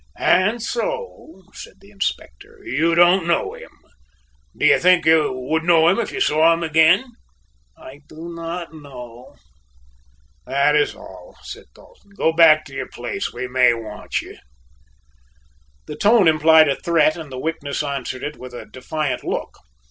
"And so," said the Inspector, "you don't know him? Do you think you would know him if you saw him again?" "I do not know." "That is all," said Dalton; "go back to your place. We may want you." The tone implied a threat and the witness answered it with a defiant look.